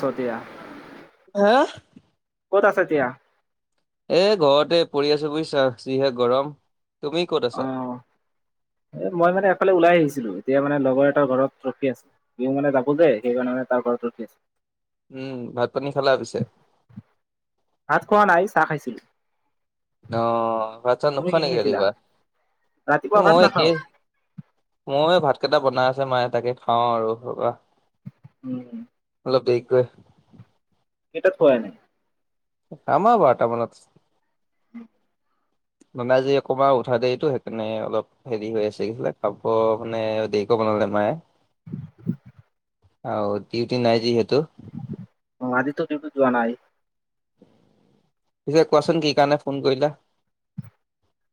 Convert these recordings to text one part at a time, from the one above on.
শদিয়া। অ'! ক'ত আছ এতিয়া? এ, ঘৰতে পৰি আছোঁ বুজিছা, যিহে গৰম! তুমি ক'ত অ আছা? এ, মই মানে, এফালে ওলাই আহিছিলোঁ। এতিয়া মানে, লগৰ এটাৰ ঘৰত ৰখি আছোঁ। সিও মানে, যাব যে, সেইকাৰণে মানে, তাৰ ঘৰত ৰখি আছোঁ। উম! ভাত পানী খালা পিছে? ভাত খোৱা নাই, চাহ খাইছিলোঁ। অ'! ভাত-চাত তুমি নোখোৱা কি নেকি খাইছিলা ৰাতিপুৱা? ৰাতিপুৱা ভাত মইয়ো নাখাও একেই। মই, ভাত কেইটা বনাই আছে মায়ে, তাকে খাওঁ আৰু। উম! অলপ দেৰিকৈ। কেইটাক পোৱাই নাই। আমাৰ বাৰটা মানত আছে। উম। মানে আজি অকমান উঠা দেৰিটো সেইকাৰণে অলপ হেৰি হৈ আছে এইফালে খোৱা মানে দেৰিকৈ বনালে মায়ে। আও ডিউটি নাই যিহেতু। হু হু হু অ আজিটো ডিউটি যোৱা নাই। পিছে কোৱাচোন কি কাৰণে ফোন কৰিলা?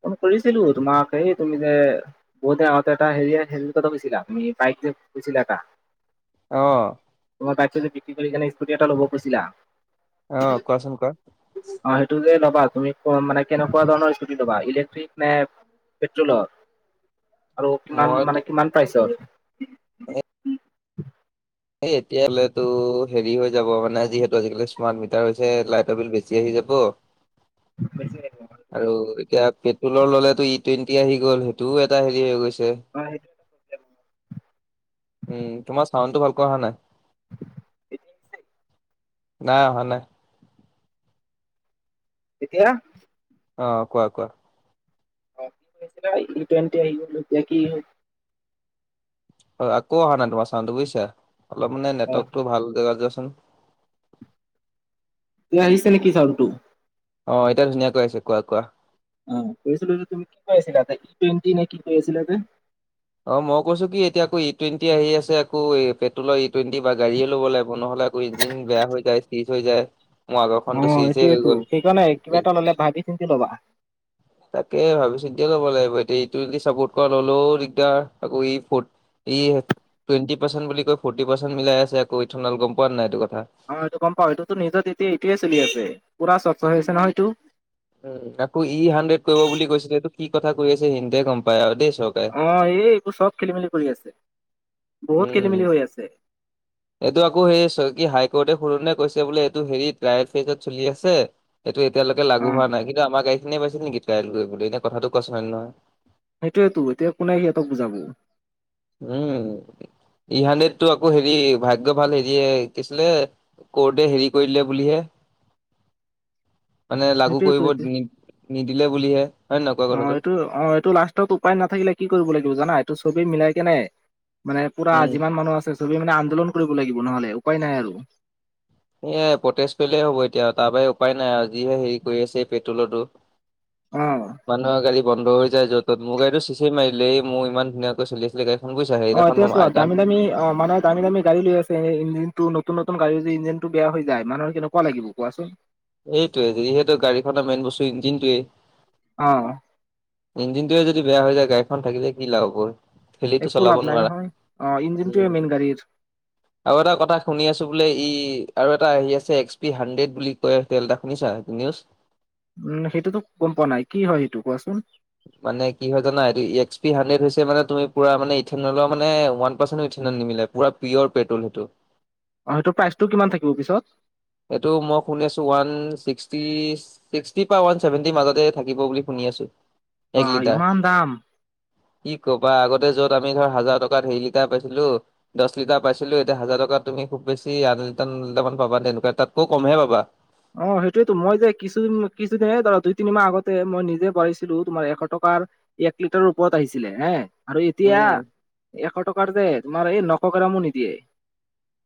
ফোন কৰিছিলো তোমাক। এই তুমি যে- পোৱাতে আহোতে এটা হেৰি এ হেৰিয়ৰ কথা কৈছিলা বাইক যে কৈছিলা এটা অ অ অ তোমাৰ বাইক খন যে বিক্ৰী কৰি কিনে স্কুটি এটা ল'ব কৈছিলা। অ অ কোৱাচোন কোৱা? পি পিপ অ সেইটো যে ল'বা তুমি কম মানে কেনেকুৱা ধৰণৰ স্কুটি- ল'বা। ইলেক্ট্ৰিক নে' পেট্ৰলৰ আৰু কিমান মই মানে কিমান প্ৰাইচৰ? এ এই এতিয়ালেতো হেৰি হৈ যাব মানে যিহেতু আজিকালি স্মাৰ্ট মিটাৰ হৈছে লাইটৰ বিল বেছি আহি যাব। বেছি আহিব। আৰু এতিয়া পেট্ৰলৰ ললেটো ই-টুৱেণ্টি আহি গ'ল সেইটোও এটা হেৰি হৈ গৈছে। হয়। উম। তোমাৰ চাউন্ডটো ভালকৈ অহা নাই। এতিয়া আহিছে নাই অহা নাই। এতিয়া অ অ কোৱা কোৱা? অ কি হৈছিলে ই-টুৱেণ্টি আহি গ'ল এতিয়া কি হ'ব? অ আকৌ অহা নাই তোমাৰ চাউন্ডটো বুজিছা। অলপ মানে অ নেটৱৰ্কটোও ভাল জেগাত যোৱাচোন। এতিয়া আহিছে নেকি চাউন্ডটো? অ এতিয়া ধুনীয়াকৈ আহিছে। কোৱা কোৱা উম উম কৈছিলো যে তুমি কি কৈ আছিলা যে ই-টুৱেণ্টি নে কি কৈ আছিলা যে- অ মই কৈছো কি এতিয়া আকৌ ই-টুৱেণ্টি আহি আছে। আকৌ পেট্ৰলৰ ই-টুৱেণ্টি বা গাড়ীয়ে ল'ব লাগিব। নহ'লে আকৌ ইঞ্জিন বেয়া হৈ যায়, শিষ্ট হৈ যায়। মোৰ অ আগৰখনতো চিজে হৈ এইটোৱেতো। গ'ল সেইকাৰণে ই কিবা এটা ল'লে ভাবি-চিন্তি লবা। তাকে ভাবি-চিন্তিয়ে ল'ব লাগিব। এতিয়া ই-টুৱেণ্টি এ চাপৰ্ট কৰা ললো ৰি ইয়াৰ আকৌ ই-ফৰ্ড ই টুৱেট পাৰ্চেন্ট বুলি কৈ ফৰ্টি পাৰ্চেন্ট মিলাই আছে আকৌ ইথনেল গ'ম পোৱা নে নাই এইটো কথা। অ এইটো গ'ম পাওঁ। এইটো তো নিউজত এতিয়া এইটোৱেই চলি আছে পুৰা স্বচ্ছ হৈ আছে নহয় এইটো। উম উ উ। আকৌ ই-হানড্ৰেড কৰিব বুলি কৈছিলে এইটো কি কথা কৈ আছে সিহঁতে গ'ম পায় আৰু দেই চৰকাৰে। অ এই এই এইবোৰ চব খেলি-মেলি কৰি আছে। উম বহুত খেলি উ উ। মেলি [inaudible] এইটো আকৌ সেই স হাই-কৰ্টে সুৰুন দায় কৈছে বোলে এইটো হেৰিত প্ৰায় ফেজত চলি আছে। এইটো এতিয়ালৈকে অ লাগু হোৱা নাই। কিন্তু আমাৰ গাড়ীখিনিয়ে পাইছে নেকি পেলাইত গৈ এনেই কথাটো কোৱাচোন হয় নে নহয়। সেইটোৱেতো এতিয়া কোনে সিহঁতক বুজাব। উম উ উ। ই-হানড্ৰেডটো আকৌ হেৰি ভাগ্য ভাল হেৰিয়ে কি আছিলে কোৰ্টে হেৰি কৰিলে বুলিহে। [inaudible] মানে লাগু সেইটোয়েতো কৰিব এতিয়া নি নিদিলে বুলিহে হয় নে নকয় কথাটো। টো অ এইটো লাষ্ট। ত উপায় নাথাকিলে কি কৰিব লাগিব জানা এইটো চবি মিলাই কেনে মানে পুৰা উম, যিমান মানুহ আছে চবে মানে আন্দোলন কৰিব লাগিব নহলে উপায় নাই আৰু। এই প্ৰটেষ্ট কৰিলেহে হ'ব এতিয়া তাৰ বাহিৰে উপায় নাই আৰু যিহে হেৰি কৰি আছে এই পেট্ৰলৰটো। অ'। মানুহৰ গাড়ী বন্ধ হৈ য'ত ত'ত, মোৰ গড়ীটো চেছেই মাৰিলে মোৰ ইমান ধুনিয়াকৈ চলি আছিলে গাড়ী অঁ এতিয়া চোৱা দামি দামি অ' মানে দামি - দামি গাড়ী লৈ আছে। এই ইঞ্জিনটো নতুন নতুন গাড়ী যদি ইঞ্জিনটো বেয়া হৈ যায় মানুহৰ কেনেকুৱা লাগিব কোৱাচোন? এইটোৱেই, যিহেতু গাড়ীখনৰ মেইন বস্তু ইঞ্জিনটোৱেই। অঁহ। ইঞ্জিনটোয়ে যদি বেয়া হৈ যায় গাড়ীখন থাকিলে কি লাভ হ'ব? থেলিটো একো চলাব লাভ নাই নোৱাৰা। নহয়। অ', ইঞ্জিনটোৱে উমঁ। মেইন গাড়ীৰ আৰু এটা কথা শুনি আছো বোলে ই' আৰু এটা আহি আছে এক্স পি হানড্ৰেড বুলি ত তেলটা শুনিছা নিউজ? উম সেইটোতো গম পোৱা নাই কি হয় সেইটো কোৱাচোন? মানে কি হয় জানা এইটো এইচ পি হানণ্ড্ৰেদ হৈছে মানে তুমি পুৰা মানে ইথেন অইলৰ মানে ৱান পাৰ্চেন্টে ইথেনৰ নিমিলে। পুৰা পিয়ৰ পেট্ৰল সেইটো। অ সেইটো প্ৰাইচটো কিমান থাকিব পিছত? এইটো মই শুনি আছোঁ ওৱান ছিক্সটি ছিক্সটি পা ওৱান চছেভেন্টিৰ মাজতে থাকিব বুলি শুনি আছো বা এক লিটাৰ। ইমান দাম। কি ক'বা আগতে যত আমি ধৰ হাজাৰ টকাত হেৰি লিটাৰ পাইছিলো দছ লিটাৰ পাইছিলো এতিয়া হাজাৰটকা তুমি খুব বেছি আঠ লিটাৰ ন লিটাৰা পাবা তেনেকুৱা তাতকৈ কমহে পাবা। অ সেইটোয়েতো মই যে কিছুদিন ধৰা দুই তিনি মাহ আগতে মই নিজে বাঢ়িছিলো তোমাৰ এশ টকাৰ এক লিটাৰৰ ওপৰত আহিছিল? আৰু এতিয়া উম। এশ টকাৰ যে তোমাৰ এই নশ গ্ৰমো নিদিয়ে।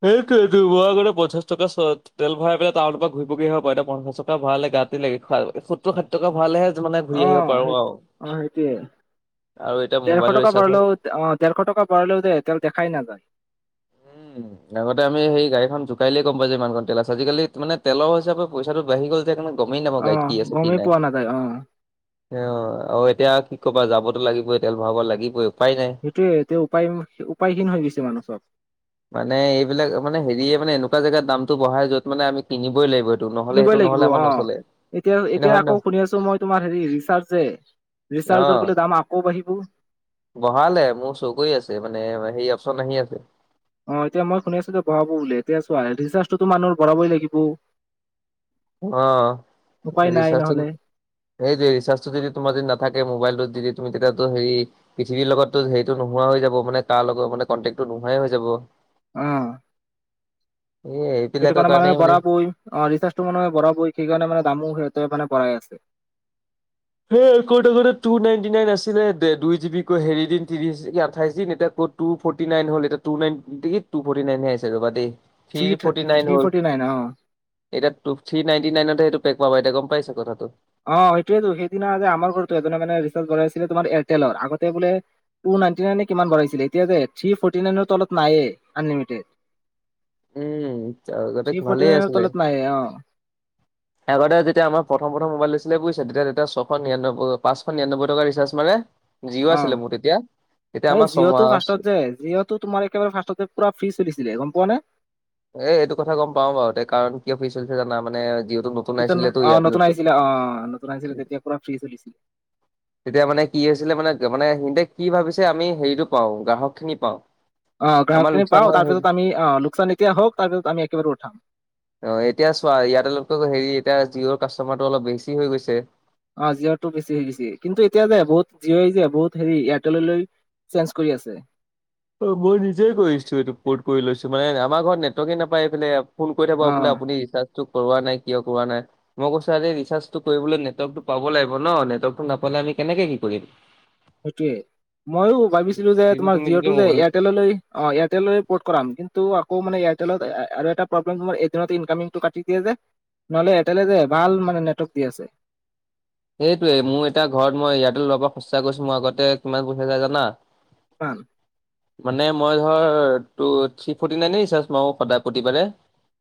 সেইটো এইটোৱাগৰ পঞ্চাশ টকা তেল ভৰাই পেলাই টাউনৰ পৰা ঘূৰি পকীল পঞ্চাশ টকা ভৰালে গাত তে লকে খ সত্তৰ সষাঠ টকা ভৰালেহে মানে অ ঘূৰি আহিব সেই পাৰো আৰু। অ আৰু এতিয়া মোবাইলৰচিউভা ঢলেও অ দেৰশ টকাও ভৰালেও তেল দেখাই নাযায়। উম। আগতে আমি সেই গাড়ী জোকইইিলে গম পাই যে ইমানখন তেল আছে আজিকালি মানে তেলৰ হিচাপে পইচাটো বাঢ়ি গ'ল কাৰণে গমেই নাপাওঁ অ গড়ীত কি আছে কি গমেই নাই? পোৱা নাযায় অ অ আৰু এতিয়া কি কবা যাবতো লাগিবই তেল ভৰাব লাগিবই উপায় নাই। সেইটোৱে এতিয়া উপায় উপায়হীন হৈ গৈছে মানুহ চব। মানে এইবিলাক মানে হেৰিয় মানে এনেকুৱা জেগাত দামটো বঢ়াই য'ত মানে আমি কিনিবই লাগিব? সেইটো নহ'লে কিনিবই সেইটো লাগিব নহ'লে আমাৰ অ, নচলে। এতিয়া কিন্তু এতিয়া হয় আকৌ নহয়? শুনি আছো মই তোমাৰ হেৰি ৰি ৰিচাৰ্জ যে ৰিচাৰ্জৰ অ', বোলে দাম আকৌ বাঢ়িব। বঢ়ালে মোৰ চৌ আছে মানে সেই অপচন আহি আছে। অ এতিয়া মই শুনিছো যে বঢ়াব বুলি এতিয়াছো আৰু ৰিচাৰ্জটো মানুহে ভৰাবই লাগিব? অ উপায় নাই নহলে ৰিচাৰ্জৰ সেইটো ৰিচাৰ্জটো যদি তোমাৰ যদি নাথাকে মোবাইলটোত যদি তুমি তেতিয়াতো হেৰি পৃথিৱীৰ লগতো হেৰিটো নোহোৱা হৈ যাব মানে কাৰ লগত মানে কণ্টেক্টো নোহোৱাই হৈ যাব। উম। এইয়াই সেইটো কাৰণে মানুহে ভৰাবই ৰিচাৰ্জটো মানুহে ভৰাবই সেইকাৰণে মানে দামো সিহঁতে মানে বঢ়াই আছে। হ ক'ত আগতে টু নাইনটি নাইন আছিলে দুই জি বি কৈ হেৰি দিন ত্ৰিশ আঠাইছ দিন এতিয়া ক'ত টু ফৰ্টি নাইন হ'ল এটা টু নাইন দে টু ফৰ্টি নাইনে আ ৰবা দেই। থ্ৰী ফৰ্টি নাইন থ্ৰী হ'ল ফৰ্টি নাইন অ। এতিয়া টু থ্ৰী নাইনটি নাইনত সেইটোক পাবা এতিয়া গম পাইছে কথাটো। অ সেইটয়েতো সেইদিনা আমাৰ ঘৰতো এ মানে ৰিচাৰ্ কৰা আছিলে তোমাৰ এয়াৰটেলৰ আগতে বোলে টু নাইনটি নাই কিমান বঢ়াইছিলে এতিয়া থ্ৰী ফৰ্টি নাইন তলত নায়ে আনলিমিটেড। উম থি আগতে ফৰ্টি ভালেই নাইন আছিলে। তলত নাই অ? আগতে যেতিয়া আমাৰ প্ৰথম প্ৰথম মোবাইল লৈছিলে বুজিছে তেতিয়া তেতিয়া ছয়শ নিৰানব্বৈ পাঁচশ নিৰানব্বৈ টকা ৰিচাৰ্জ মাৰে যিও অ আছিলে মোৰ তেতিয়া, তেতিয়া আমাৰ ছমাহ এ যিহত তোমাৰ একেবাৰে ফাৰ্ষ্টত পুৰা ফ্ৰী চলিছিলে গম পোৱা নে এ এইটো কথা গম পাও বাওঁ কাৰণ কিয় ফ্ৰি চলিছে জানা মানে যিঅটো তেতন অ নতুন আহিছিলে অ নতুন আহিছিলে তেতিয়া পুৰা ফ্ৰি চলিছিল। তেতিয়া মানে কি হৈছিলে মানে মানে সিতে কি ভাবিছে আমি হেৰিটো পাওঁ গ্ৰাহক খিনি পাওঁ। অ আমাৰ গ্ৰাহকখিনি লোকচান পাওঁ হয় তাৰপিছ আমি অ লোকচান এতিয়া হওঁক তাৰপিছত আমি একেবাৰে উঠাম। অ এতিয়া চোৱা এযাৰটেলতকৈ হেৰি এতিয়া জিঅ'ৰ কাষ্টমাৰটো অলপ বেছি হৈ গৈছে। অ জিঅ' টো বেছি হৈ গৈছি কিন্তু এতিয়া যে বহুত জিঅ'ই যে বহুত হেৰি এয়াৰটেললৈ চেঞ্জ কৰি আছে। অ মই নিজেই কৰিছো এইটো কৰ্ট কৰি লৈছো মানে আমাৰ ঘৰত নেটৱৰ্কে নাপায় এইফালে ফোন কৰি অ থাকো বোলে আপুনি ৰিচাৰ্জটো কৰোৱা নাই কিয় কৰা নাই। মই কৈছো আৰে ৰিচাৰ্জ টো কৰিবলৈ নেটৱৰ্কতটো পাব লাগিব নেটৱৰ্কটো নাপালে আমি কেনেকে সেই কৰিম। সেইটোৱে মই ভাবিছিলো যে যদি তোমাৰ তুমি যদি জিঅ'টো যে মোবাইল এয়াৰ- তললৈ এয়াৰটলৈ পত কৰাম কিন্তু আকৌ মানে এয়াৰটালত আৰু এটা প্ৰব্লেম তোমাৰ ইনকামিং টো কাটি নহলে এয়াৰটেলে যে ভাল মানে নেটৱৰ্ক দি আছে। এইটোৱে মোৰ এতা ঘৰত মই ইয়াতে লোৱাৰ পৰা সুচা কৰিছো মই আগতে কিমান পইচা যায় জানা। পান মানে মই ধৰ টু থ্ৰী ফটি নাইনে ৰিচাৰ্জ মাৰো প্ৰতিবাৰে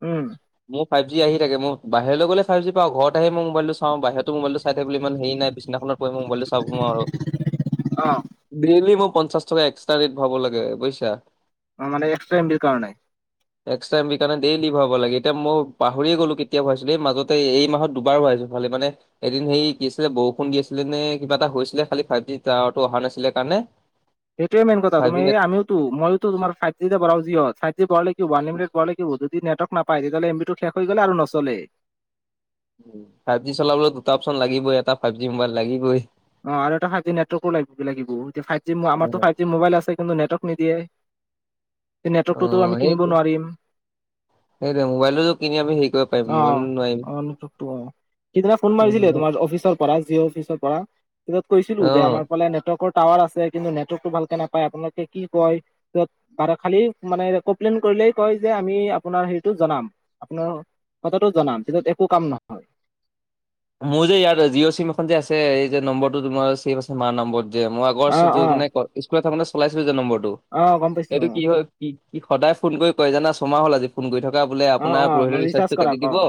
উম মোৰ ফাইভ জি আহি থে মোৰ বাহিৰলৈ গলোইভ জি পা ঘৰত আহ মই মোবলটো চাওঁ বাহিৰত মোবাইলটো তে বোলে ইমান হেৰি নাই বিচদিনাখনত বহি মই মোবাইলটো চাব নোৱাৰো আৰু অ ব্ৰিলি মই পঞ্চাশ টকা এক্সট্ৰা ৰেট ভাব লাগে বুজিছা মানে এক্সট্ৰা এম বি কাৰণে এক্সট্ৰা এম বি কাৰণেডেইলী ভৰাব লাগে এতিয়া মই পাহৰি গলো কেতিয়া কেতিয়া ভৰাইছোঁ এই মাজতে এই মাহত দুবাৰ ভুৰাইছো। ভালে মানে এদিন হেৰি কি আছিলে বৰষুণ দি আছিলে নে কিবা এটা হৈছিলে খালি ফাইভ জি টাৱাৰটো অহা নাছিলে কাৰণে সেইটোৱে মেইন কথা ফাইভ তুমি জি নেট আমওটো ময়োতো তোমাৰ ফাইভ জিতে ভৰাও যি হওক ফাইভ জি ভৰালে কি ৱান লিমিটেড পোৱা লৈকে যদি নেৱৰ্ক নাপায় তেতিয়াহলে এম বি শেষ হৈ গ'লে আৰু নচলে উ ফাইভ জি চলাবলৈ দুটা অপশচন লাগিবই এটা ফাইভ জি মোবাইল লাগিবই। অ আৰু এটা ফাই জি নেটৱৰ্ক লিব লাগিব ফাইভ জিমাৰতটো ফাইভ জি মোবাইল আছেই। কিন্তু নেটৱৰ্ক নিদিয়ে সেই অ নেটৱৰ্কটোতো আমি কিনিব নোৱাৰিম। সেইটো মোবাইলো কিনি আমি হেৰি কৰিব পাৰিম অ', মোবাইলো নোৱাৰিম। অ নতুক টো অ সিদিনা ফোন মাৰিছিলে তোমাৰ অফিচৰ পৰা জিঅ' অফিচৰ পৰা ত অ কৈছিলো যে আমাৰ ফালে নেটৱৰ্কৰ টাৱাৰ আছে কিন্তু নেটৱৰ্কতটো ভালকে নাপায় আপোনালোকে কি কয় খালি মানে কমপ্লেইন কৰিলেই কয় যে আমি আপোনাৰ হেৰিটো জনাম। আপোনাৰ কথাটো জনাম পিছত একো কাম নহয়। মোৰ যে ইয়াত জিঅ' চিম এখন যে আছে এই যে নম্বৰটো তোমাৰ ছেভ আছে মাৰ নম্বৰত যে মই আগৰ অ', চুদু অ', মানে ক স্কুলত থাকোঁতে চলাইছিলো যে নম্বৰটো অ', গম পাইছো সেইটো কি অ'। হয় কি কি সদায় ফোন কৰি কয় জানা চমাহ হ'ল আজি। ফোন কৰি থকা বোলে অ', আপোনাৰ অ', পৰহিলি মানে ৰিচাৰ্জ ৰিচাৰ্জটো কাটি কৰাক দিব অ',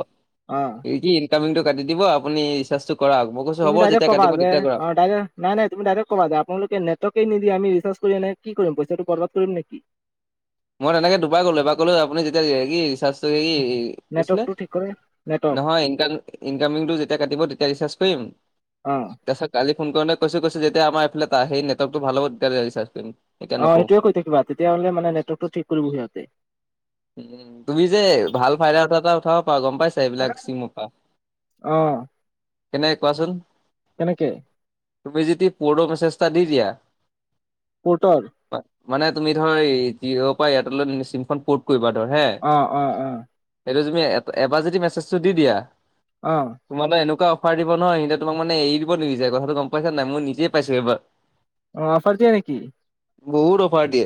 অ'। এই কি ইনকামিঙটো কাটি দিব আপুনি ৰিচাৰ্জটো কৰা মই কৈছোঁ তুমি ডাইৰেক কবা যে তাইৰে নাই নাই তুমি ডৰেক্ট কবা আপোনালোকে নেটৰ্কে নিদি আমি ৰিচাৰ্জ কৰি ননে কি কৰিম পইচাটো বৰাদ কৰিম নেকি। মই তেনেকে দুবাৰ ক'লো এবাৰ ক'লো আপুনি যেতিয়া কি ৰিচাৰ্জটো কি আছিলে নেটৱৰ্কটো ঠিক কৰে নেটৱৰ্ক নহয় ইনকাম ইনকামিংটো যেতিয়া কাটিব তেতিয়া ৰিচাৰ্জ কৰিম অ'। কালি ফোন কৰি কৈছে কৈছে যেতিয়া আমাৰফালে তা সেই নেটৱৰ্কটো ভাল হ'ব তেতিয়া ৰিচাৰ্জ কৰিম। এতিয়া অ নকৰো সেইটোৱে কৈ থাকিবা তেতিয়াহলে মানে নেটৱৰ্ক ঠিক কৰিব সিহঁতে। উ তুমি যে ভাল ফাইদা এটা এটা উঠাব পাৰা গম পাইছ এইবিলাক চিম পা অ কেনেকে কোৱাচোন। কেনেকে? তুমি যদি পৰ' মেছেজ এটা দি দিয়া পৰ্টৰ? মানে তুমি ধৰ এই জিঅ'ৰ পৰা এয়াৰটেললে চিমখন ক'ত কৰিবা ধৰ হে, অ অ অ এইটো তুমি এবাৰ যদি মেচেজটো দি দিয়া অ। তোমালে এনেকুৱা অফাৰ দিব নহ। সিহনতে তোমাক মানে এৰি দিব নিবিচাৰে। কথাটো গম পাইছা নে নাই? মই নিজেই পাইছো এবাৰ। অ, অফাৰ দিয়ে নেকি? বহুত অফাৰ দিয়ে।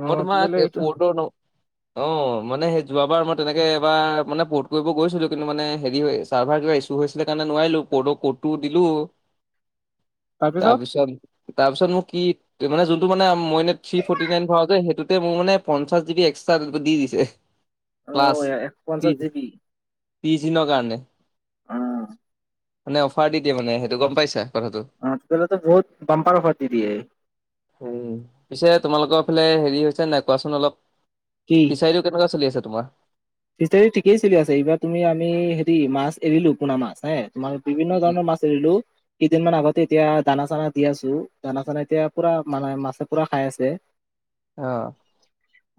অ তোমাক তেতিয়াহ'লে এ এইটো পৰ্তৰ ন অ মানে সেই যোৱাবাৰ মই তেনেকে এবাৰ মানে পৰ্ট কৰিব গৈছিলো, কিন্তু মানে হেৰি হয় চাৰ্ভাৰ কিবা ইছু ত হৈছিলে কাৰণে নোৱাৰিলো। কৰ্টৰ কডটো দিলো। [inaudible] তাৰপিছত তাৰপিছত মোৰ কি মানে যোনটো মানে মই এনে থি ফৰ্টি নাইন ভৰাওঁ যে, সেইটোতে মোৰ মানে পঞ্চাশ জি বি একছ দি দিছে অ প্লাছ এশ পঞ্চাশ তিছ জিবি ত্ৰিছ দিনৰ কাৰণে। অ। মানে অফাৰ দি দিয়ে মানে সেইটো গম পাইছা কথাটো। অ [unintelligible] টো বহুত বম্পাৰ অফাৰ দি দিয়ে। উম পিছে তোমালোকৰ ফালে হেৰি হৈছে নে নাই কোৱাচোন অলপ। সেইটো কেনেকোৱা চলি আছে তোমাৰ? ফিছাৰী ঠিকেই চলি আছে। এইবাৰ তুমি আমি হেৰি মাছ এৰিলো পোনা মাছ, তোমাৰ বিভিন্ন উম। ধৰণৰ মাছ এৰিলো। কেইদিনমান আগতে এতিয়া দানা-চানা দি আছো। দানা-চানা এতিয়া পুৰা মানে মাছে পুৰা খাই আছে। [inaudible] অ।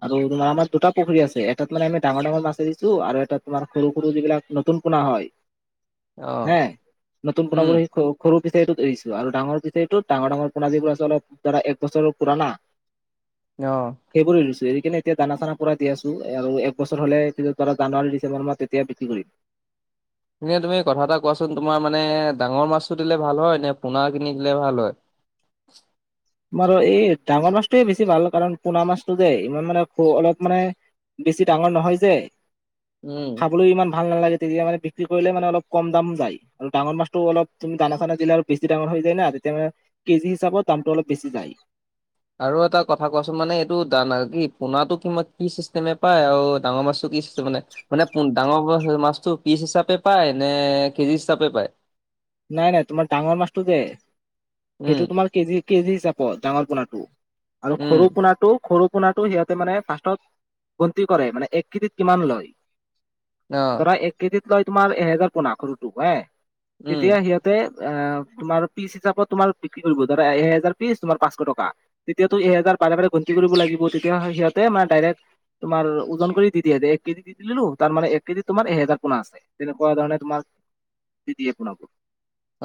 আৰু তোমাৰ আমাৰ দুটা পুখুৰী আছে। এটাত মানে আমি ডাঙৰ ডাঙৰ মাছ দিছো আৰু এটাত তোমাৰ সৰু সৰু যিবিলাক নতুন পোনা হয় হে অ', নতুন উম, পোনাবোৰ শিকো। সৰু ফিচাৰীটোত এৰিছো আৰু ডাঙৰ ফিচাৰিটোত ডাঙৰ ডাঙৰ পোনা যিবোৰ আছে অলপ ধৰা এক বছৰৰ পুৰাণা [inaudible] অ। সেইবোৰ এৰিছো। এৰি কেনে এতিয়া দানা-চানা পোৰা দি আছো আৰু এক বছৰ হ'লে [unintelligible] জানুৱাৰী, ডিচেম্বৰ মাহ তেতিয়া বিক্ৰী কৰিম। এনেই তুমি কথা এটা কোৱাচোন। তোমাৰ মানে ডাঙৰ মাছটো দিলে ভাল হয় নে পোনা কিনি দিলে ভাল হয়? তোমাৰ এই ডাঙৰ মাছটোৱে বেছি ভাল। কাৰণ পোনা মাছটো যে ইমান মানে খ অলপ মানে বেছি ডাঙৰ নহয় যে, উম। খাবলৈ ইমান ভাল নালাগে। তেতিয়া মানে বিক্ৰী কৰিলে মানে অলপ কম দাম পায় আৰু ডাঙৰ মাছটো অলপ তুমি দানা-চানা দিলে আৰু বেছি ডাঙৰ হৈ যায় না তেতিয়া মানে কেজি হিচাপত দামটো অলপ বেছি যায়। আৰু এটা কথা কোৱাচোন মানে এইটো ডা কি পোনাটো কি কি চিষ্টেমে পায় আৰু ডাঙৰ মাছটো কি চিষ্টেম মানে মানে ডাঙৰ হোৱা মাছটো পিচ হিচাপে পায় নে কেজি হিচাপে পায়? নাই, নাই তোমাৰ ডাঙৰ মাছটো যে উম, সেইটো তোমাৰ কেজি কেজি হিচাপত ডাঙৰ পোনাটো। আৰু উম, খৰু পোনাটো খৰু পোনাটো সিহঁতে মানে ফাৰ্ষ্টত গন্তি কৰে মানে এক কেজিত মানে কিমান লয়। অ', ধৰা এক কেজিত লয় তোমাৰ এহেজাৰ পোনা সৰুটো হয় উম। তেতিয়া সিহঁত তে অ তোমাৰ পিচ হিচাপত তোমাৰ বিক্ৰী কৰিব ধৰা এহেজাৰ পিচ তোমাৰ পাঁচশ টকা। তেতিয়াটো এহেজাৰ বাৰে বাৰে গন্তি কৰিব লাগিব। তেতিয়া সিহঁতে মানে ডাইৰেক্ট তোমাৰ ওজন কৰি দি দিয়ে এক কেজি দি দিলো। তাৰ মানে এক কেজিত তোমাৰ এহেজাৰ পোনা আছে। তেনেকুৱা ধৰণে তোমাক দি দিয়ে পোনাটো।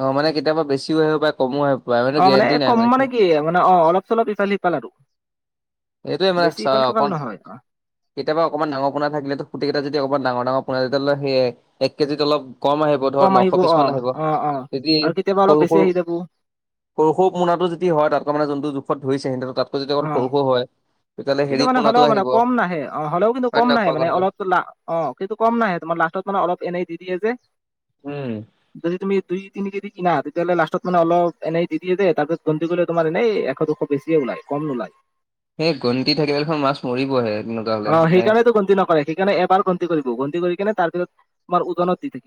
অ মানে কেতিয়াবা বেছিও আহিব পাৰে কমো আহিব পাৰে অ মানে গেৰেণ্টি নাই কম মানে কি মানে অ অলপ চলপ ইফাল সিফাল আৰু এইটো মান বেছি চাহ ইফাল সিফাল অকন নহয় অ। কেতিয়াবা অকমান ডাঙৰ পোনা থাকিলে ত খোতিকেইটা যদি অকণমান ডাঙৰ ডাঙৰ পোনা যেতিয়া লয় সেইয়াই এক কেজিত অলপ কম আহিব ধৰ কম আহিব নশ পিছ অ মান আহিব অ অ তিতি আৰু কেতিয়াবা অলপ সৰু বেছি সৰু আহি যাব সৰু সৰু পোনাটো যদি হয় তাতকে মানে যুনটো জোখত ধৰিছে সিহঁহ তাতকৈ যদি অকন অ সৰু সৰু হয়। তেতিয়াহ'লে কিন্তু হেৰি মানে পোনাটো হ'লেও মানে আহিব হয় কম নাহে অ হ'লেও কিন্তু নে কম নহয় নাহে কোৱা মানে কথাটো অলপ টোলা অ কিন্তু কম নাহে তোমাৰ লাষ্টত মানে অলপ এনেই দি দিয়ে যে উম যদি তুমি দুই তিনি কেদি কি না তেতিয়াহলে লাষ্টত মান অলপ এনেই দি দিয়ে যে তাৰপিছত গন্তি কৰিলে তোমাৰ এনেই এশ দুশ বেছিয়ে ওলাই কম নোলায়। সেই গণ্টি থাকিলেখন মাছ মৰিবহে এদিনত অ সেইকাৰণেতো গন্তি নকৰে সেইকাৰণে এবাৰ গন্তি কৰিব গন্তি কৰি কিনে তাৰপিছত তোমাৰ ওজনত দি দি